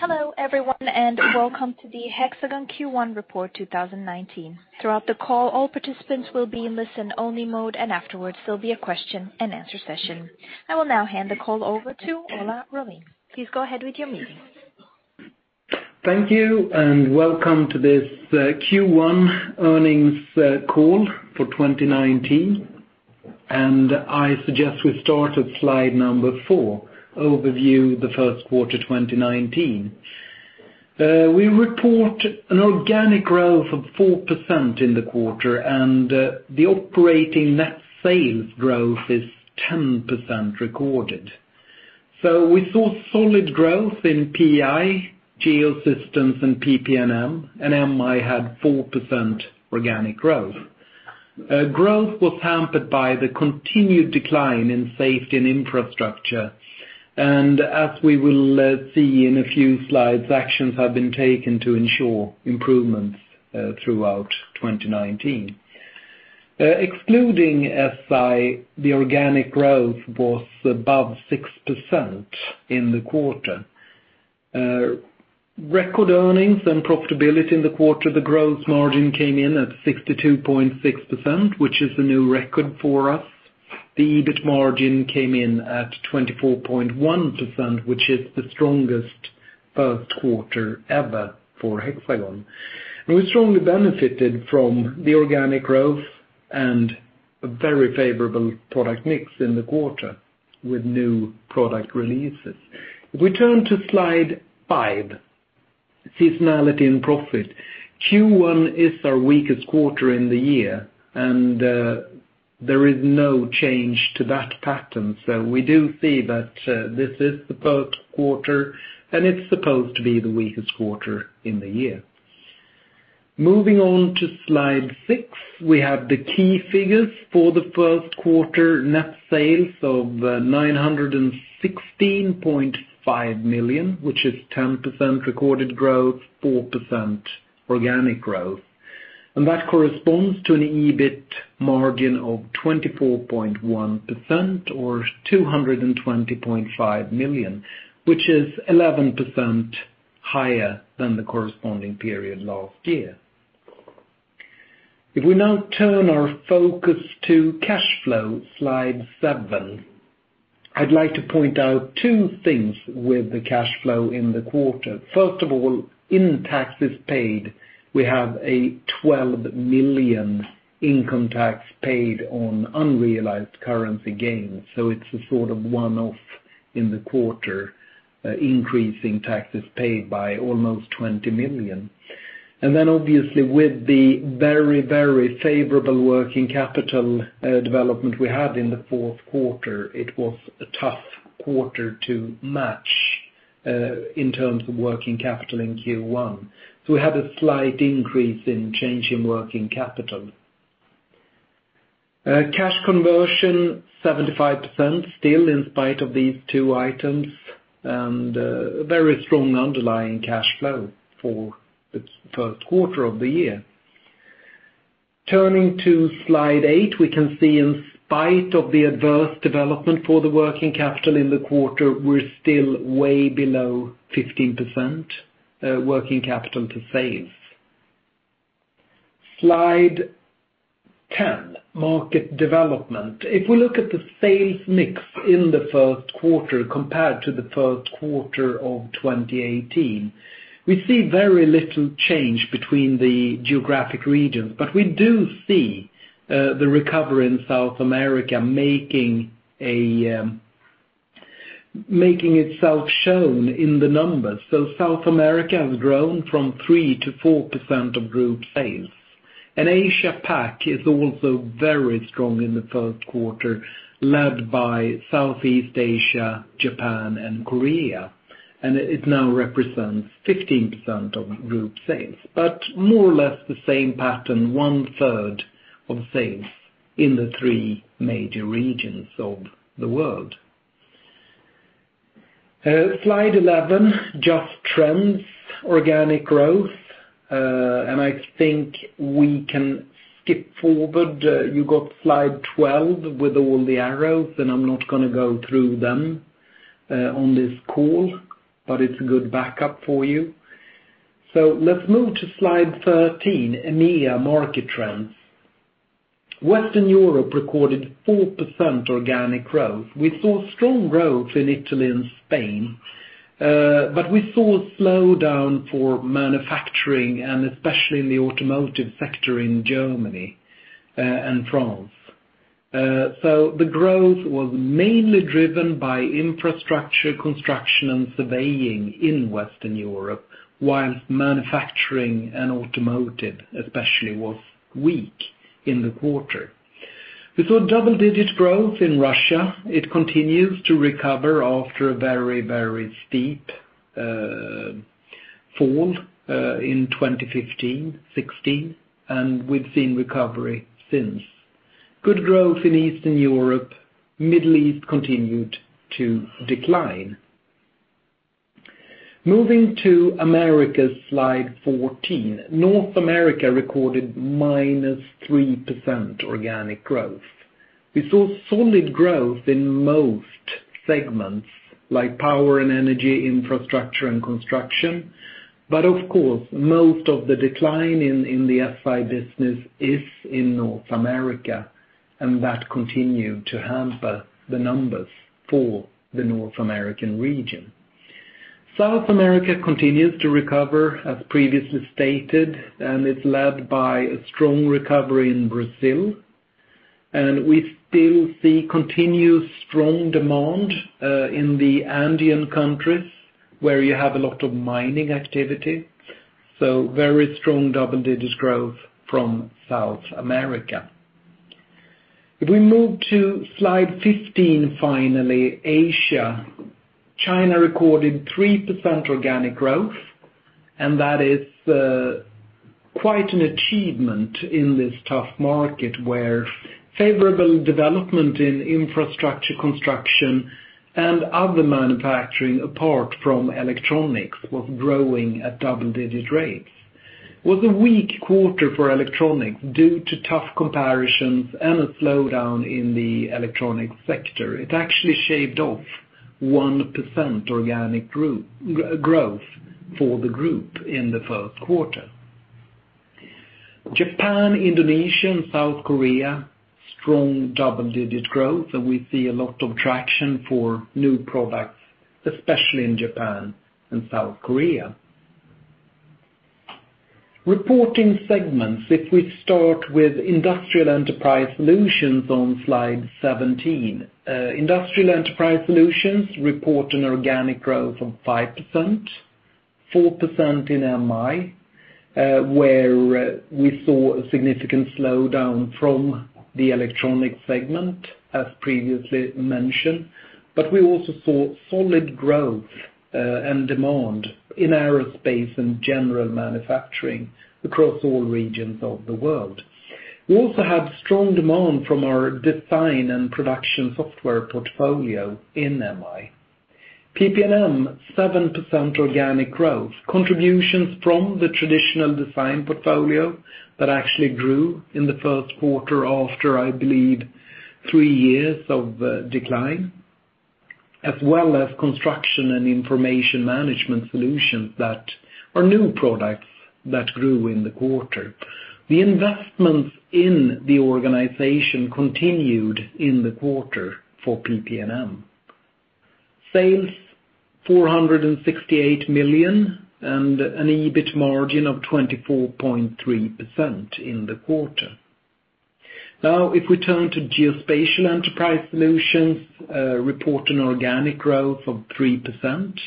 Hello everyone, welcome to the Hexagon Q1 Report 2019. Throughout the call, all participants will be in listen-only mode, afterwards there will be a question and answer session. I will now hand the call over to Ola Rollén. Please go ahead with your meeting. Thank you, welcome to this Q1 earnings call for 2019. I suggest we start at slide number four, overview of the first quarter 2019. We report an organic growth of 4% in the quarter, the operating net sales growth is 10% recorded. We saw solid growth in PI, Geosystems, PP&M, MI had 4% organic growth. Growth was hampered by the continued decline in safety and infrastructure. As we will see in a few slides, actions have been taken to ensure improvements throughout 2019. Excluding SI, the organic growth was above 6% in the quarter. Record earnings and profitability in the quarter. The growth margin came in at 62.6%, which is a new record for us. The EBIT margin came in at 24.1%, which is the strongest first quarter ever for Hexagon. We strongly benefited from the organic growth and a very favorable product mix in the quarter with new product releases. If we turn to Slide 5, seasonality and profit. Q1 is our weakest quarter in the year, there is no change to that pattern. We do see that this is the first quarter, it is supposed to be the weakest quarter in the year. Moving on to Slide 6, we have the key figures for the first quarter net sales of 916.5 million, which is 10% recorded growth, 4% organic growth, that corresponds to an EBIT margin of 24.1%, or 220.5 million, which is 11% higher than the corresponding period last year. If we now turn our focus to cash flow, Slide 7, I would like to point out two things with the cash flow in the quarter. First of all, in taxes paid, we have a 12 million income tax paid on unrealized currency gains. It is a sort of one-off in the quarter, increasing taxes paid by almost 20 million. Then, obviously, with the very favorable working capital development we had in the fourth quarter, it was a tough quarter to match, in terms of working capital in Q1. We had a slight increase in change in working capital. Cash conversion, 75% still in spite of these two items, very strong underlying cash flow for the first quarter of the year. Turning to Slide 8, we can see in spite of the adverse development for the working capital in the quarter, we are still way below 15% working capital to sales. Slide 10, market development. If we look at the sales mix in the first quarter compared to the first quarter of 2018, we see very little change between the geographic regions, we do see the recovery in South America making itself shown in the numbers. South America has grown from 3% to 4% of group sales. Asia Pac is also very strong in the first quarter, led by Southeast Asia, Japan, and Korea, and it now represents 15% of group sales. More or less the same pattern, one-third of sales in the three major regions of the world. Slide 11, just trends, organic growth, I think we can skip forward. You got Slide 12 with all the arrows, and I'm not going to go through them on this call, but it's a good backup for you. Let's move to Slide 13, EMEA market trends. Western Europe recorded 4% organic growth. We saw strong growth in Italy and Spain, we saw a slowdown for manufacturing and especially in the automotive sector in Germany and France. The growth was mainly driven by infrastructure construction and surveying in Western Europe, whilst manufacturing and automotive especially was weak in the quarter. We saw double-digit growth in Russia. It continues to recover after a very steep fall in 2015, 2016, and we've seen recovery since. Good growth in Eastern Europe, Middle East continued to decline. Moving to Americas, Slide 14. North America recorded -3% organic growth. We saw solid growth in most segments like power and energy, infrastructure and construction. Of course, most of the decline in the SI business is in North America, and that continued to hamper the numbers for the North American region. South America continues to recover as previously stated, it's led by a strong recovery in Brazil. We still see continued strong demand, in the Andean countries, where you have a lot of mining activity. Very strong double-digit growth from South America. If we move to Slide 15, finally, Asia. China recorded 3% organic growth, that is quite an achievement in this tough market where favorable development in infrastructure construction and other manufacturing, apart from electronics, was growing at double-digit rates. Was a weak quarter for electronics due to tough comparisons and a slowdown in the electronic sector. It actually shaved off 1% organic growth for the group in the first quarter. Japan, Indonesia, and South Korea, strong double-digit growth, we see a lot of traction for new products, especially in Japan and South Korea. Reporting segments. If we start with Industrial Enterprise Solutions on Slide 17. Industrial Enterprise Solutions report an organic growth of 5%, 4% in MI, where we saw a significant slowdown from the electronic segment as previously mentioned. We also saw solid growth, and demand in aerospace and general manufacturing across all regions of the world. We also had strong demand from our design and production software portfolio in MI. PP&M, 7% organic growth. Contributions from the traditional design portfolio that actually grew in the first quarter after, I believe, three years of decline, as well as construction and information management solutions that are new products that grew in the quarter. The investments in the organization continued in the quarter for PP&M. Sales, 468 million and an EBIT margin of 24.3% in the quarter. If we turn to Geospatial Enterprise Solutions, report an organic growth of 3%,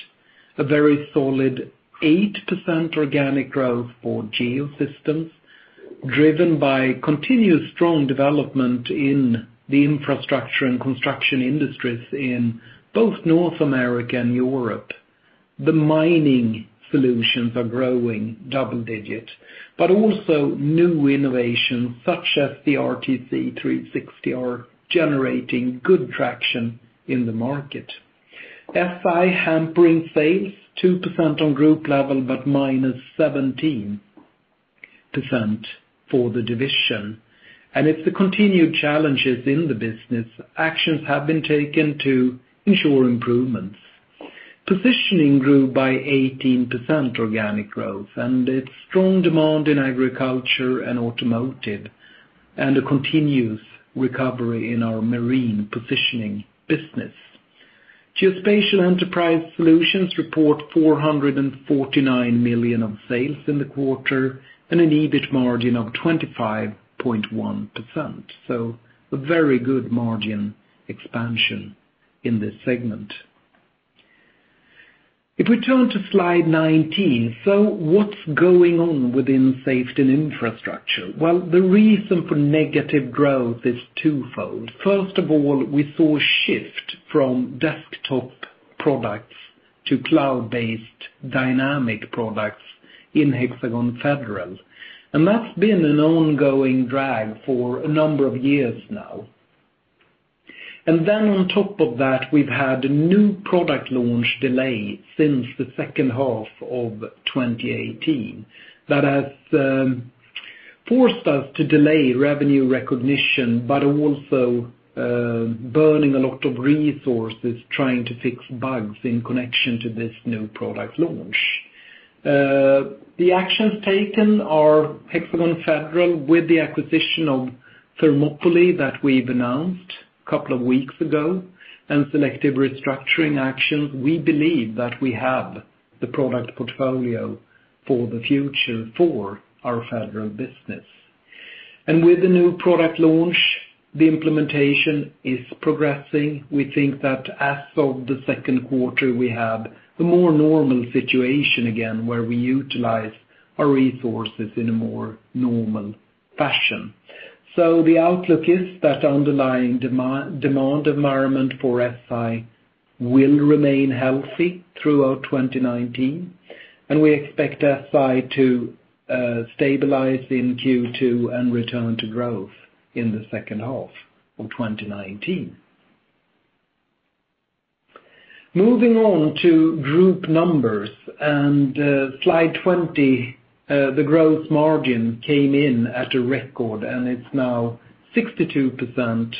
a very solid 8% organic growth for Geosystems, driven by continued strong development in the infrastructure and construction industries in both North America and Europe. The mining solutions are growing double digit, but also new innovations such as the Leica RTC360 are generating good traction in the market. SI hampering sales 2% on group level, but minus 17% for the division. It's the continued challenges in the business. Actions have been taken to ensure improvements. Positioning grew by 18% organic growth, it's strong demand in agriculture and automotive, and a continuous recovery in our marine positioning business. Geospatial Enterprise Solutions report 449 million of sales in the quarter and an EBIT margin of 25.1%. A very good margin expansion in this segment. If we turn to slide 19, what's going on within Safety & Infrastructure? The reason for negative growth is twofold. First of all, we saw a shift from desktop products to cloud-based dynamic products in Hexagon US Federal, and that's been an ongoing drag for a number of years now. On top of that, we've had a new product launch delay since the second half of 2018 that has forced us to delay revenue recognition, but also burning a lot of resources trying to fix bugs in connection to this new product launch. The actions taken are Hexagon US Federal with the acquisition of Thermopylae that we've announced a couple of weeks ago and selective restructuring actions, we believe that we have the product portfolio for the future for our federal business. With the new product launch, the implementation is progressing. We think that as of the second quarter, we have the more normal situation again where we utilize our resources in a more normal fashion. The outlook is that underlying demand environment for SI will remain healthy throughout 2019, and we expect SI to stabilize in Q2 and return to growth in the second half of 2019. Moving on to group numbers and slide 20, the gross margin came in at a record, it's now 62%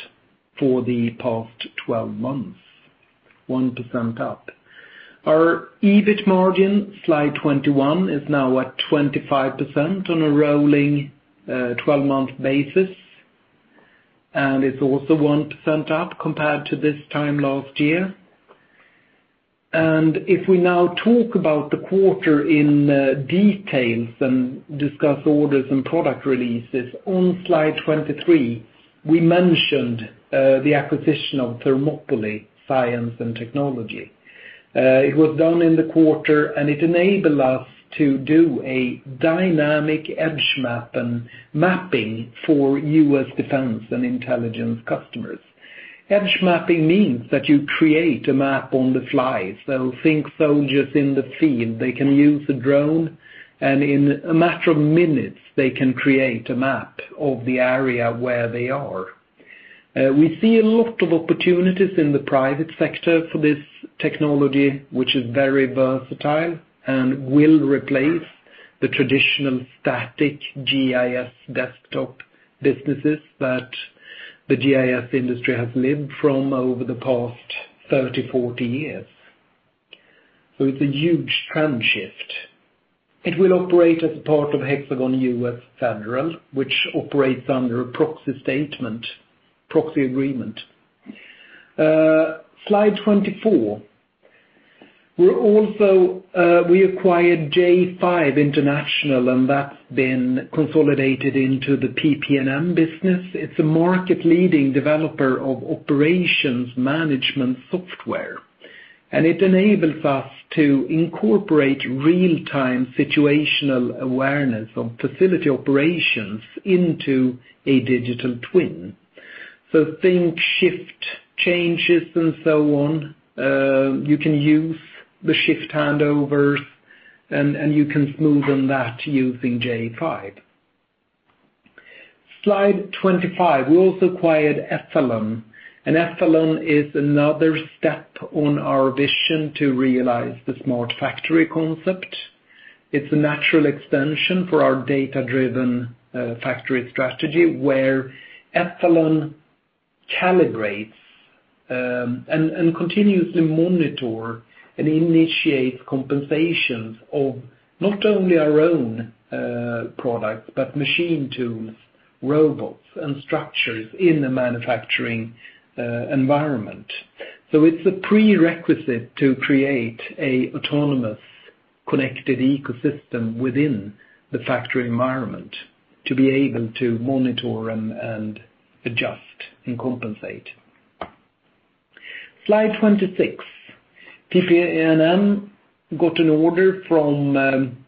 for the past 12 months, 1% up. Our EBIT margin, slide 21, is now at 25% on a rolling 12-month basis, it's also 1% up compared to this time last year. If we now talk about the quarter in details and discuss orders and product releases, on slide 23, we mentioned the acquisition of Thermopylae Sciences and Technology. It was done in the quarter, it enabled us to do a dynamic edge mapping for U.S. defense and intelligence customers. Edge mapping means that you create a map on the fly. Think soldiers in the field, they can use a drone, in a matter of minutes, they can create a map of the area where they are. We see a lot of opportunities in the private sector for this technology, which is very versatile and will replace the traditional static GIS desktop businesses that the GIS industry has lived from over the past 30, 40 years. It's a huge trend shift. It will operate as a part of Hexagon US Federal, which operates under a proxy agreement. Slide 24. We acquired j5 International, that's been consolidated into the PP&M business. It's a market-leading developer of operations management software. It enables us to incorporate real-time situational awareness of facility operations into a digital twin. Think shift changes and so on. You can use the shift handovers, and you can smoothen that using j5. Slide 25. We also acquired YXLON. YXLON is another step on our vision to realize the smart factory concept. It's a natural extension for our data-driven factory strategy, where YXLON calibrates and continuously monitor and initiate compensations of not only our own products, but machine tools, robots, and structures in the manufacturing environment. It's a prerequisite to create an autonomous, connected ecosystem within the factory environment to be able to monitor and adjust and compensate. Slide 26. PP&M got an order from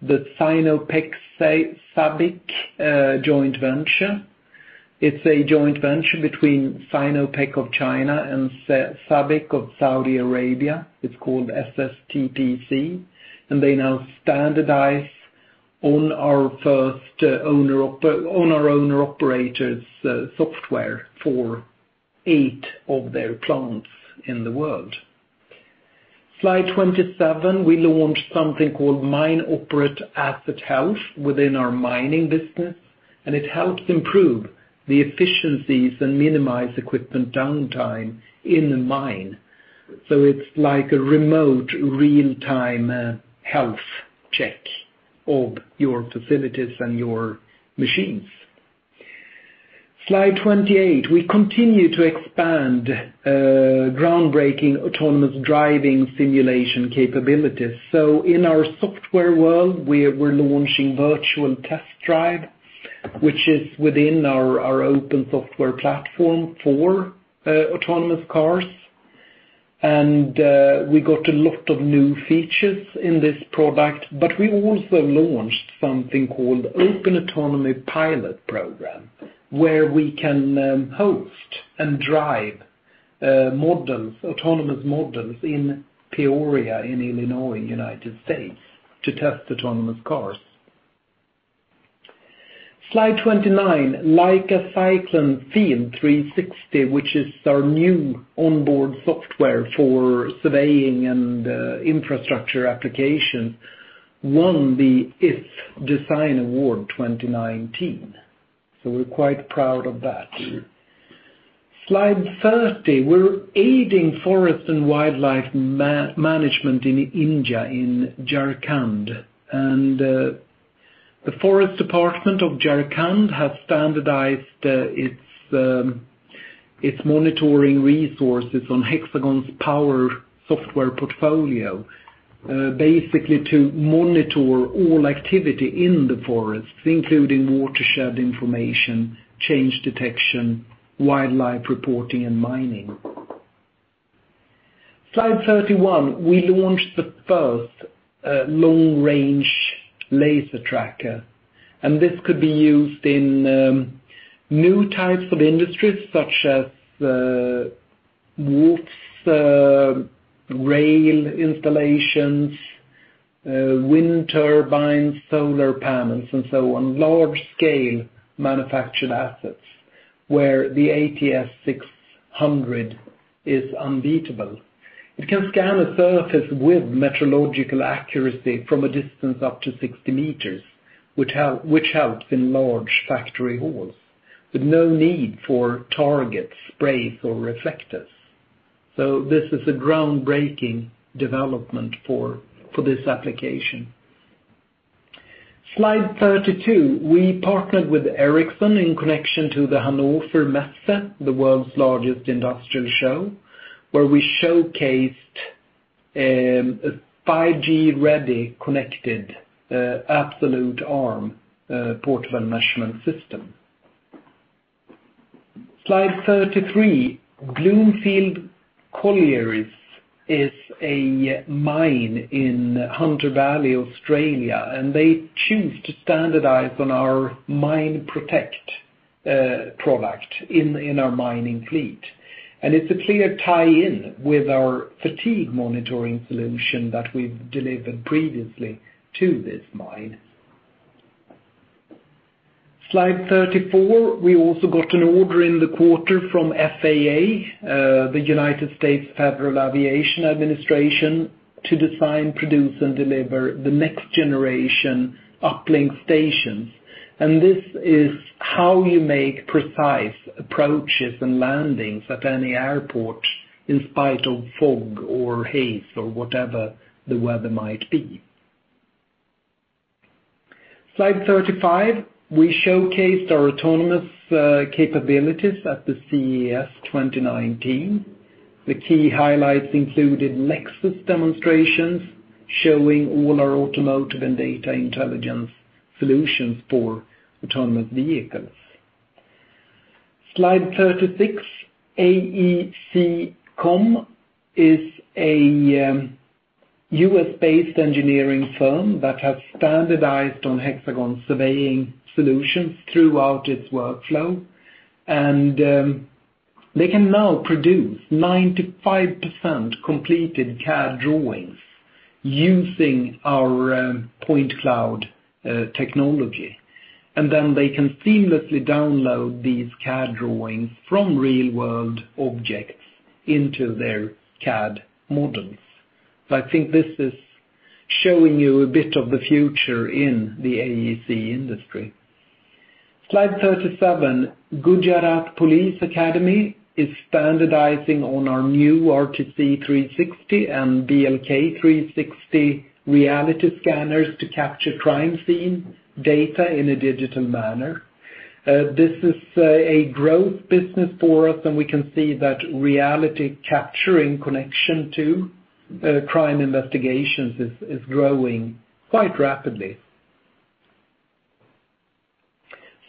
the Sinopec-SABIC joint venture. It's a joint venture between Sinopec of China and SABIC of Saudi Arabia. It's called SSTPC. They now standardize on our owner-operators software for eight of their plants in the world. Slide 27, we launched something called HxGN MineOperate Asset Health within our mining business. It helps improve the efficiencies and minimize equipment downtime in the mine. It's like a remote real-time health check of your facilities and your machines. Slide 28. We continue to expand groundbreaking autonomous driving simulation capabilities. In our software world, we're launching Virtual Test Drive, which is within our open software platform for autonomous cars. We got a lot of new features in this product, but we also launched something called Open Autonomy Pilot Program, where we can host and drive autonomous models in Peoria, in Illinois, U.S., to test autonomous cars. Slide 29. Leica Cyclone FIELD 360, which is our new onboard software for surveying and infrastructure application, won the iF DESIGN AWARD 2019. We're quite proud of that. Slide 30. We're aiding forest and wildlife management in India, in Jharkhand. The forest department of Jharkhand has standardized its monitoring resources on Hexagon's power software portfolio. Basically, to monitor all activity in the forests, including watershed information, change detection, wildlife reporting, and mining. Slide 31, we launched the first long-range laser tracker. This could be used in new types of industries such as roofs, rail installations, wind turbines, solar panels, and so on. Large-scale manufactured assets where the ATS600 is unbeatable. It can scan a surface with metrological accuracy from a distance up to 60 meters, which helps in large factory halls with no need for targets, sprays, or reflectors. This is a groundbreaking development for this application. Slide 32. We partnered with Ericsson in connection to the Hannover Messe, the world's largest industrial show, where we showcased a 5G-ready, connected Absolute Arm portable measurement system. Slide 33. Bloomfield Collieries is a mine in Hunter Valley, Australia. They choose to standardize on our HxGN MineProtect product in our mining fleet. It's a clear tie-in with our fatigue monitoring solution that we've delivered previously to this mine. Slide 34. We also got an order in the quarter from FAA, the United States Federal Aviation Administration, to design, produce, and deliver the next generation uplink stations. This is how you make precise approaches and landings at any airport in spite of fog or haze or whatever the weather might be. Slide 35. We showcased our autonomous capabilities at the CES 2019. The key highlights included Lexus demonstrations showing all our automotive and data intelligence solutions for autonomous vehicles. Slide 36. AECOM is a U.S.-based engineering firm that has standardized on Hexagon's surveying solutions throughout its workflow, and they can now produce 95% completed CAD drawings using our point cloud technology. Then they can seamlessly download these CAD drawings from real-world objects into their CAD models. I think this is showing you a bit of the future in the AEC industry. Slide 37. Gujarat Police Academy is standardizing on our new RTC360 and BLK360 reality scanners to capture crime scene data in a digital manner. This is a growth business for us, and we can see that reality capture in connection to crime investigations is growing quite rapidly.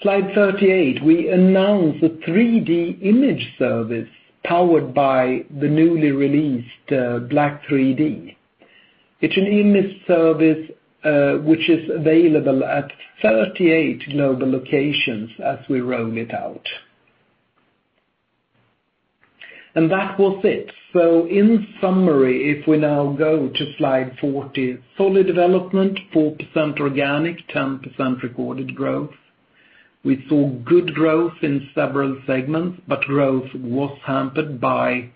Slide 38. We announced a 3D image service powered by the newly released BLK3D. It's an image service, which is available at 38 global locations as we roll it out. That was it. In summary, if we now go to slide 40. Solid development, 4% organic, 10% recorded growth. We saw good growth in several segments, but growth was hampered by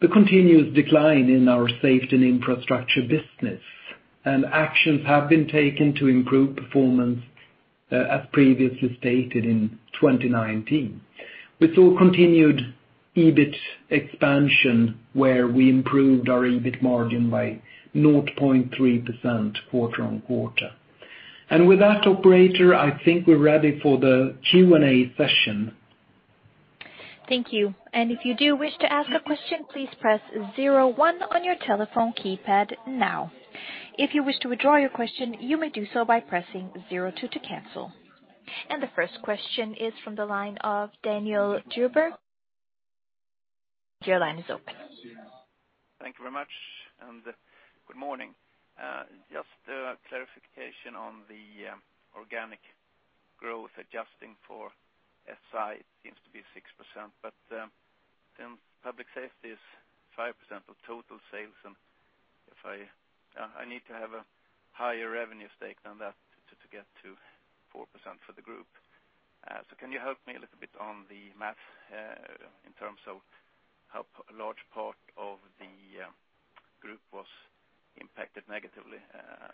the continuous decline in our safety and infrastructure business, and actions have been taken to improve performance, as previously stated in 2019. We saw continued EBIT expansion where we improved our EBIT margin by 0.3% quarter-on-quarter. With that, operator, I think we're ready for the Q&A session. Thank you. If you do wish to ask a question, please press 01 on your telephone keypad now. If you wish to withdraw your question, you may do so by pressing 02 to cancel. The first question is from the line of Daniel Djurberg. Your line is open. Thank you very much and good morning. Just a clarification on the organic growth adjusting for SI, it seems to be 6%, then public safety is 5% of total sales, and I need to have a higher revenue stake than that to get to 4% for the group. Can you help me a little bit on the math, in terms of how a large part of the group was impacted negatively by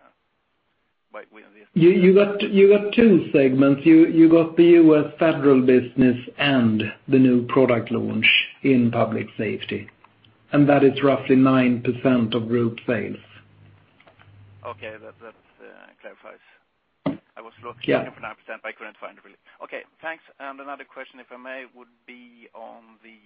the- You got two segments. You got the U.S. federal business and the new product launch in public safety, and that is roughly 9% of group sales. Okay. That clarifies. I was looking- Yeah for 9%, I couldn't find it really. Okay, thanks. Another question, if I may, would be on the,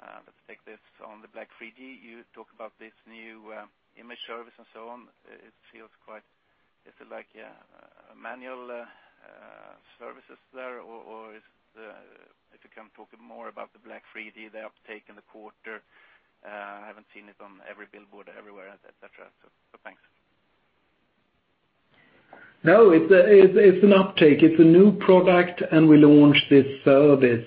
let's take this on the Leica BLK3D. You talk about this new image service and so on. It feels quite, is it like a manual services there, or if you can talk more about the Leica BLK3D, the uptake in the quarter. I haven't seen it on every billboard everywhere, et cetera. Thanks. No, it's an uptake. It's a new product, and we launched this service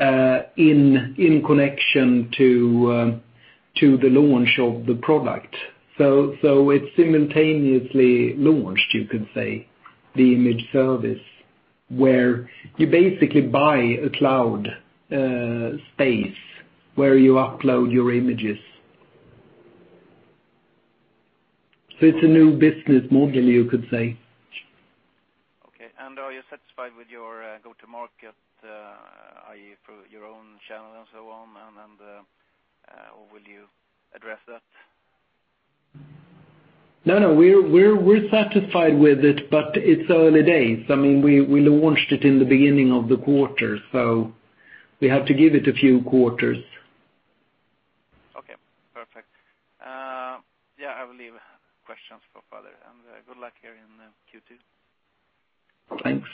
in connection to the launch of the product. It simultaneously launched, you could say, the image service, where you basically buy a cloud space where you upload your images. It's a new business model, you could say. Okay. Are you satisfied with your go-to market, i.e. through your own channel and so on, or will you address that? No, we're satisfied with it. It's early days. We launched it in the beginning of the quarter. We have to give it a few quarters. Okay, perfect. I will leave questions for further. Good luck here in Q2. Thanks.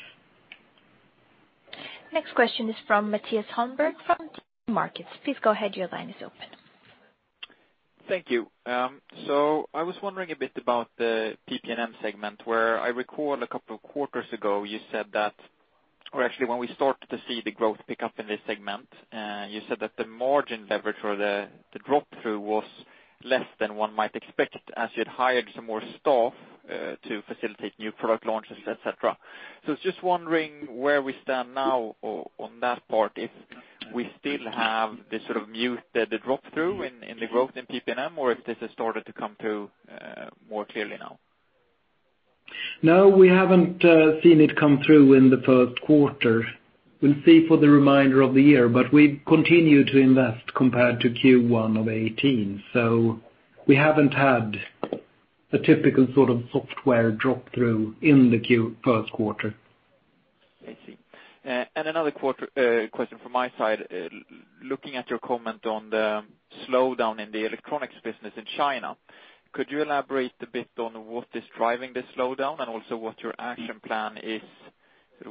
Next question is from Mattias Holmberg from DNB Markets. Please go ahead. Your line is open. Thank you. I was wondering a bit about the PP&M segment, where I recall a couple of quarters ago you said that or actually, when we started to see the growth pick up in this segment, you said that the margin leverage or the drop-through was less than one might expect, as you had hired some more staff to facilitate new product launches, et cetera. Just wondering where we stand now on that part, if we still have this sort of muted drop-through in the growth in PP&M, or if this has started to come through more clearly now? No, we haven't seen it come through in the first quarter. We'll see for the remainder of the year. We continue to invest compared to Q1 of 2018. We haven't had the typical sort of software drop-through in the first quarter. I see. Another question from my side. Looking at your comment on the slowdown in the electronics business in China, could you elaborate a bit on what is driving this slowdown and also what your action plan is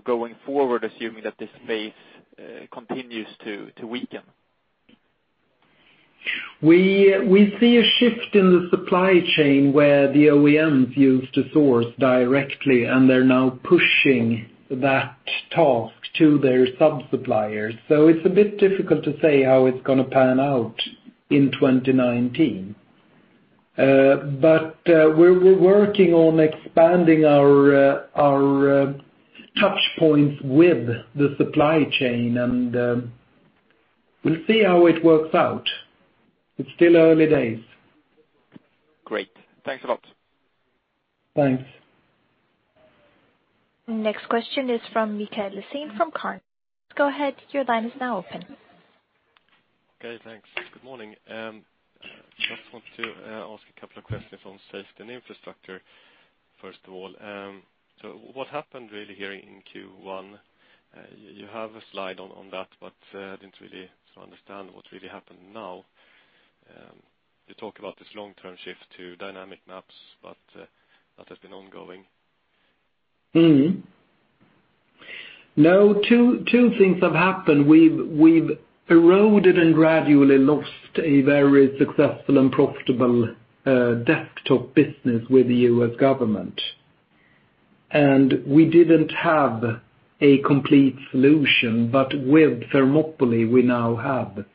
going forward, assuming that this phase continues to weaken? We see a shift in the supply chain where the OEMs used to source directly. They're now pushing that task to their sub-suppliers. It's a bit difficult to say how it's going to pan out in 2019. We're working on expanding our touchpoints with the supply chain. We'll see how it works out. It's still early days. Great. Thanks a lot. Thanks. Next question is from Mikael Laséen from Carnegie. Go ahead, your line is now open. Okay, thanks. Good morning. Just want to ask a couple of questions on safety and infrastructure, first of all. What happened really here in Q1? You have a slide on that, but I didn't really understand what really happened now. You talk about this long-term shift to dynamic maps, but that has been ongoing. Two things have happened. We've eroded and gradually lost a very successful and profitable desktop business with the U.S. government. We didn't have a complete solution, but with Thermopylae, we now have the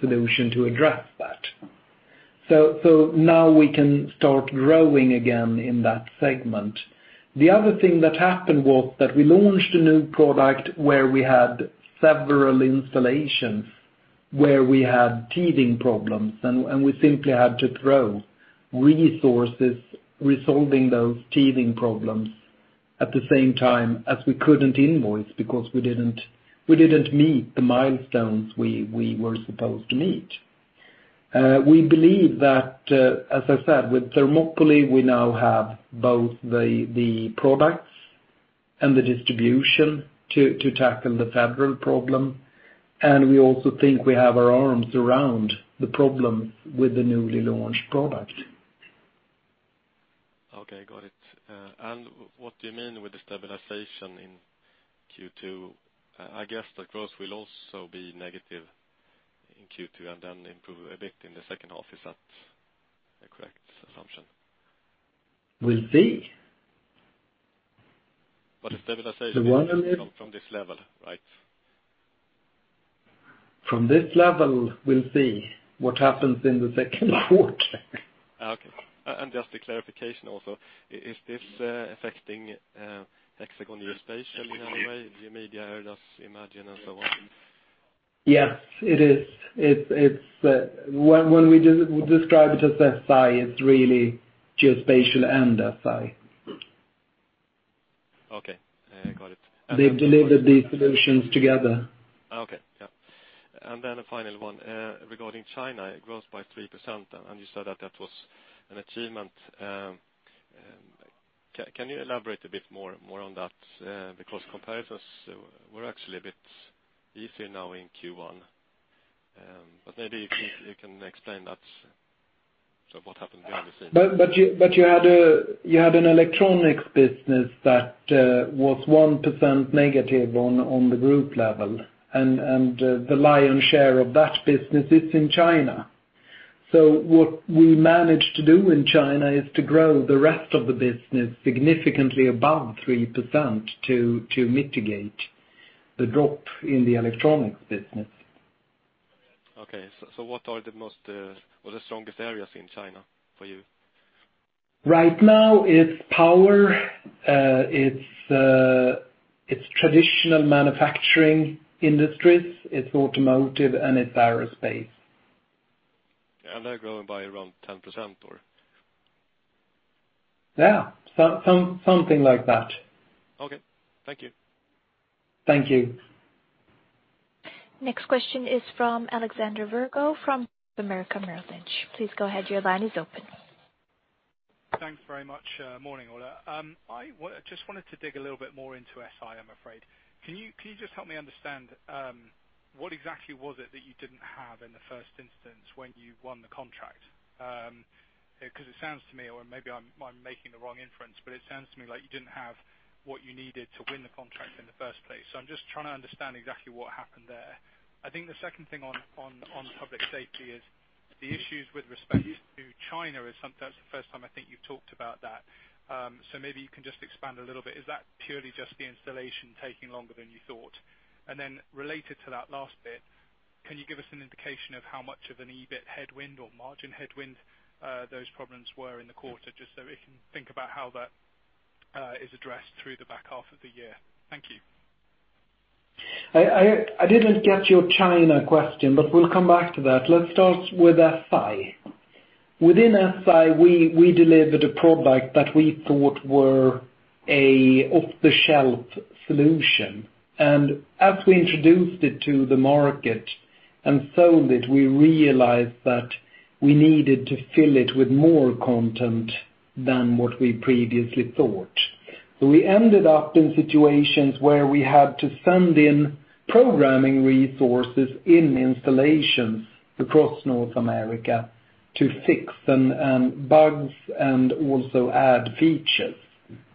solution to address that. Now we can start growing again in that segment. The other thing that happened was that we launched a new product where we had several installations where we had teething problems, and we simply had to throw resources resolving those teething problems at the same time as we couldn't invoice because we didn't meet the milestones we were supposed to meet. We believe that, as I said, with Thermopylae, we now have both the products and the distribution to tackle the federal problem. We also think we have our arms around the problem with the newly launched product. Okay, got it. What do you mean with the stabilization in Q2? I guess the growth will also be negative in Q2 and then improve a bit in the second half. Is that a correct assumption? We'll see. The stabilization. The one. from this level, right? From this level, we'll see what happens in the second quarter. Just a clarification also. Is this affecting Hexagon Geospatial in any way, GeoMedia, ERDAS IMAGINE, and so on? Yes, it is. When we describe it as SI, it's really geospatial and SI. Okay. Got it. They've delivered these solutions together. Yeah. A final one, regarding China. It grows by 3%, and you said that that was an achievement. Can you elaborate a bit more on that? Because comparisons were actually a bit easier now in Q1. Maybe if you can explain that, what happened behind the scene? You had an electronics business that was 1% negative on the group level, and the lion's share of that business is in China. What we managed to do in China is to grow the rest of the business significantly above 3% to mitigate the drop in the electronics business. Okay. What are the most or the strongest areas in China for you? Right now, it's power, it's traditional manufacturing industries, it's automotive, and it's aerospace. They're growing by around 10% or? Yeah. Something like that. Okay. Thank you. Thank you. Next question is from Alexander Virgo from Bank of America. Please go ahead. Your line is open. Thanks very much. Morning all. I just wanted to dig a little bit more into SI, I'm afraid. Can you just help me understand, what exactly was it that you didn't have in the first instance when you won the contract? Because it sounds to me, or maybe I'm making the wrong inference, but it sounds to me like you didn't have what you needed to win the contract in the first place. I'm just trying to understand exactly what happened there. I think the second thing on public safety is the issues with respect to China is sometimes the first time I think you've talked about that. Maybe you can just expand a little bit. Is that purely just the installation taking longer than you thought? Related to that last bit, can you give us an indication of how much of an EBIT headwind or margin headwind those problems were in the quarter, just so we can think about how that is addressed through the back half of the year. Thank you. I didn't get your China question, but we'll come back to that. Let's start with SI. Within SI, we delivered a product that we thought were a off-the-shelf solution. As we introduced it to the market and sold it, we realized that we needed to fill it with more content than what we previously thought. We ended up in situations where we had to send in programming resources in installations across North America to fix some bugs and also add features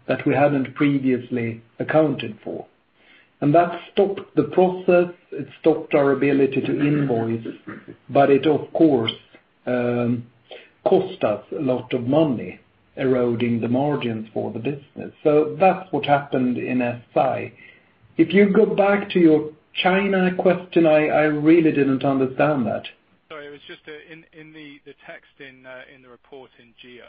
that we hadn't previously accounted for. That stopped the process. It stopped our ability to invoice, but it, of course, cost us a lot of money, eroding the margins for the business. That's what happened in SI. If you go back to your China question, I really didn't understand that. Sorry. It was just in the text in the report in Geo,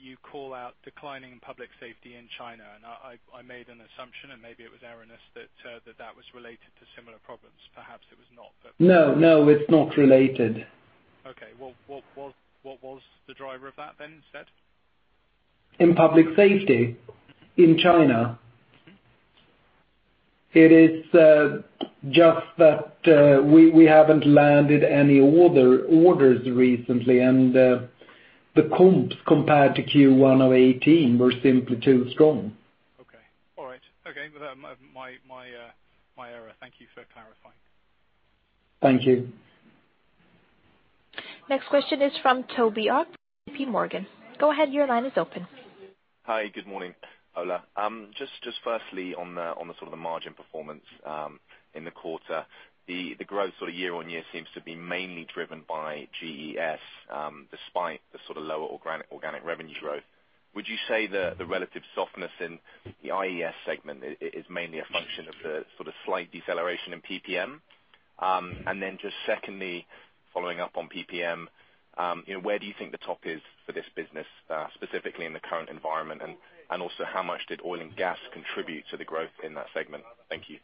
you call out declining public safety in China, I made an assumption, and maybe it was erroneous, that that was related to similar problems. Perhaps it was not. No, it's not related. Okay. Well, what was the driver of that then instead? In public safety in China, it is just that we haven't landed any orders recently, and the comps compared to Q1 of 2018 were simply too strong. Okay. All right. Okay. My error. Thank you for clarifying. Thank you. Next question is from Stacy Pollard, JP Morgan. Go ahead. Your line is open. Hi. Good morning, Ola. Firstly on the sort of the margin performance, in the quarter, the growth sort of year-over-year seems to be mainly driven by GES, despite the sort of lower organic revenues growth. Would you say the relative softness in the IES segment is mainly a function of the sort of slight deceleration in PPM? Secondly, following up on PPM, where do you think the top is for this business, specifically in the current environment? Also, how much did oil and gas contribute to the growth in that segment? Thank you.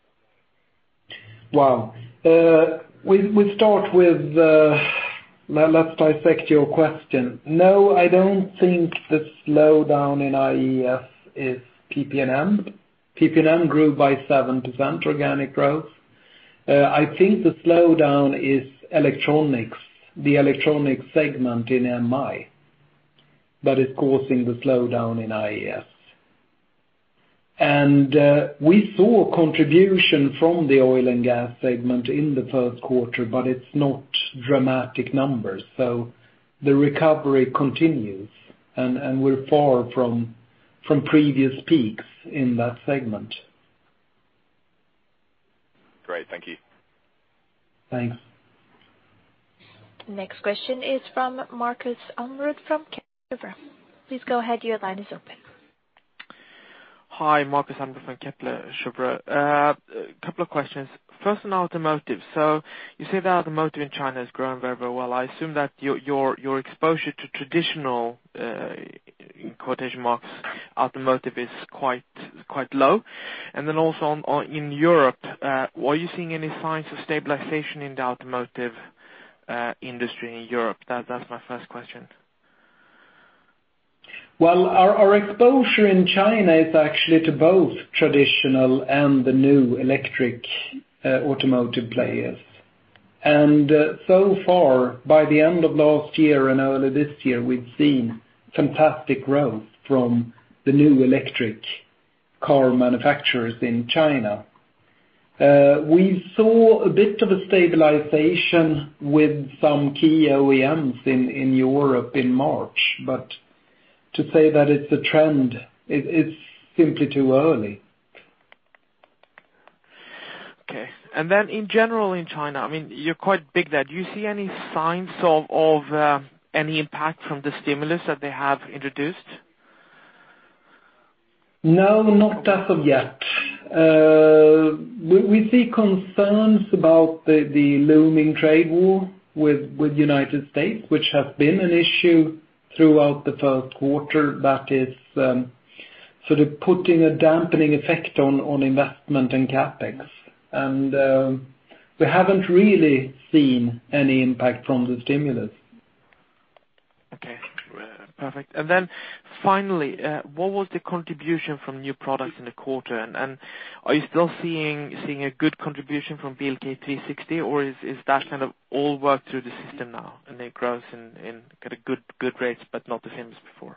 Well, let's dissect your question. I don't think the slowdown in IES is PPM. PPM grew by 7% organic growth. I think the slowdown is electronics, the electronic segment in MI, that is causing the slowdown in IES. We saw contribution from the oil and gas segment in the first quarter, but it's not dramatic numbers. The recovery continues, and we're far from previous peaks in that segment. Great. Thank you. Thanks. Next question is from Markus Almerud from Kepler Cheuvreux. Please go ahead. Your line is open. Hi. Markus Almerud from Kepler Cheuvreux. Couple of questions. First, on automotive. You say the automotive in China is growing very well. I assume that your exposure to traditional, in quotation marks, automotive is quite low. Also in Europe, were you seeing any signs of stabilization in the automotive industry in Europe? That's my first question. Well, our exposure in China is actually to both traditional and the new electric automotive players. So far, by the end of last year and early this year, we've seen fantastic growth from the new electric car manufacturers in China. We saw a bit of a stabilization with some key OEMs in Europe in March. To say that it's a trend, it's simply too early. In general in China, you're quite big there. Do you see any signs of any impact from the stimulus that they have introduced? No, not as of yet. We see concerns about the looming trade war with U.S., which has been an issue throughout the first quarter that is sort of putting a dampening effect on investment and CapEx. We haven't really seen any impact from the stimulus. Okay, perfect. Finally, what was the contribution from new products in the quarter? Are you still seeing a good contribution from BLK360, or is that kind of all worked through the system now, and then grows in kind of good rates, but not the same as before?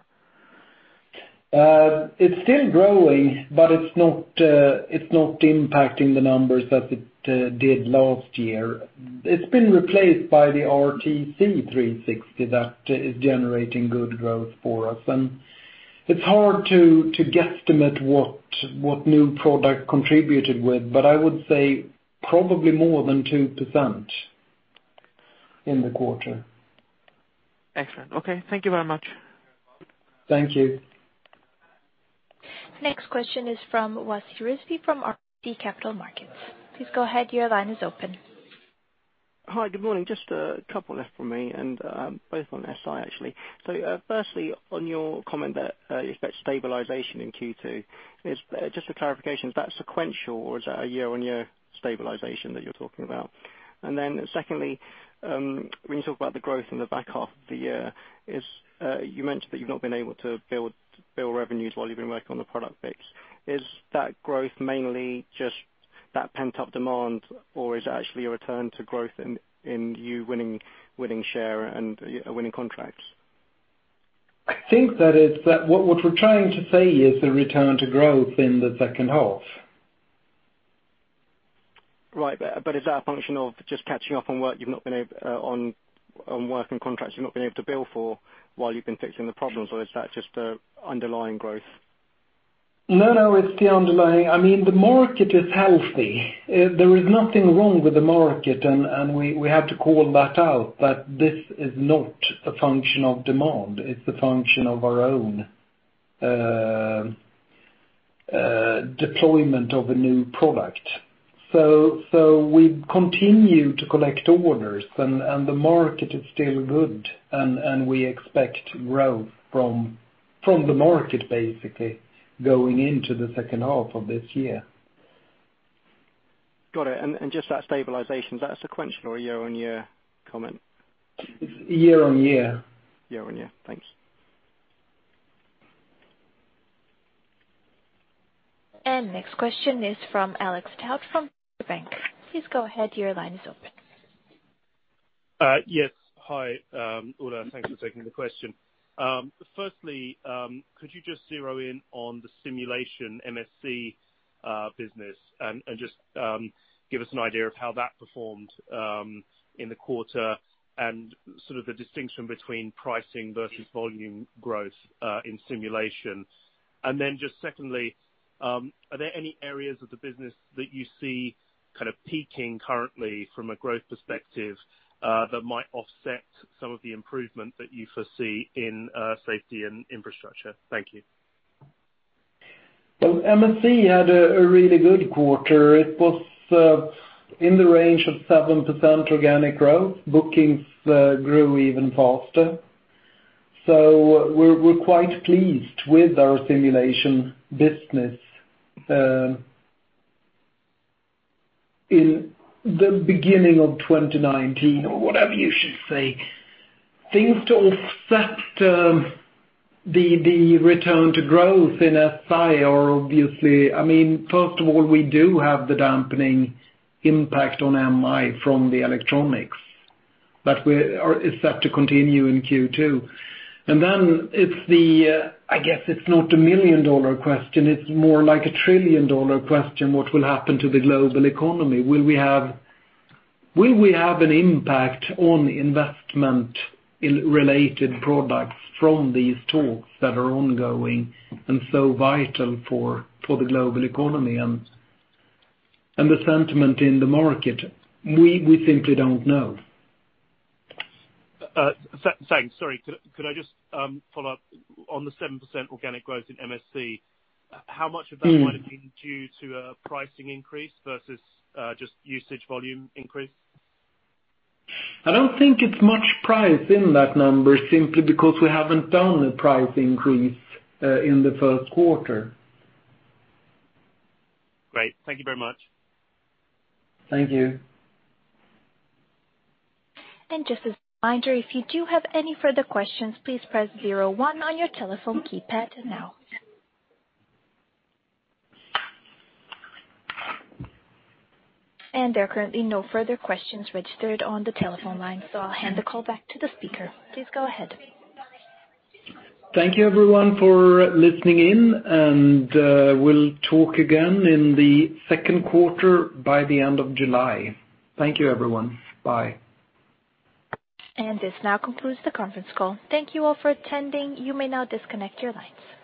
It's still growing, but it's not impacting the numbers as it did last year. It's been replaced by the RTC360 that is generating good growth for us. It's hard to guesstimate what new product contributed with, but I would say probably more than 2% in the quarter. Excellent. Okay. Thank you very much. Thank you. Next question is from Wasi Rizvi from RBC Capital Markets. Please go ahead, your line is open. Hi, good morning. Just a couple left from me and both on SI actually. Firstly, on your comment that you expect stabilization in Q2, just a clarification, is that sequential or is that a year-on-year stabilization that you're talking about? Secondly, when you talk about the growth in the back half of the year, you mentioned that you've not been able to build bill revenues while you've been working on the product fix. Is that growth mainly just that pent-up demand or is it actually a return to growth in you winning share and winning contracts? I think that what we're trying to say is a return to growth in the second half. Right. Is that a function of just catching up on work and contracts you've not been able to bill for while you've been fixing the problems, or is that just a underlying growth? No, no, it's the underlying. The market is healthy. There is nothing wrong with the market, and we have to call that out, that this is not a function of demand. It's a function of our own deployment of a new product. We continue to collect orders, and the market is still good, and we expect growth from the market basically going into the second half of this year. Got it. Just that stabilization, is that a sequential or year-on-year comment? It's year-on-year. Year-on-year. Thanks. Next question is from Alex Tout from Berenberg. Please go ahead, your line is open. Yes. Hi, Ola. Thanks for taking the question. Firstly, could you just zero in on the simulation MSC business and just give us an idea of how that performed in the quarter and sort of the distinction between pricing versus volume growth, in simulation. Then just secondly, are there any areas of the business that you see kind of peaking currently from a growth perspective, that might offset some of the improvement that you foresee in safety and infrastructure? Thank you. Well, MSC had a really good quarter. It was in the range of 7% organic growth. Bookings grew even faster. We're quite pleased with our simulation business. In the beginning of 2019, or whatever you should say, things to offset the return to growth in SI are First of all, we do have the dampening impact on MI from the electronics. It's set to continue in Q2. Then, I guess it's not a million-dollar question, it's more like a trillion-dollar question, what will happen to the global economy? Will we have an impact on investment in related products from these talks that are ongoing and so vital for the global economy and the sentiment in the market? We simply don't know. Thanks. Sorry. Could I just follow up on the 7% organic growth in MSC, how much of that might have been due to a pricing increase versus just usage volume increase? I don't think it's much price in that number, simply because we haven't done a price increase in the first quarter. Great. Thank you very much. Thank you. Just as a reminder, if you do have any further questions, please press zero one on your telephone keypad now. There are currently no further questions registered on the telephone line, so I'll hand the call back to the speaker. Please go ahead. Thank you everyone for listening in, and we'll talk again in the second quarter by the end of July. Thank you everyone. Bye. This now concludes the conference call. Thank you all for attending. You may now disconnect your lines.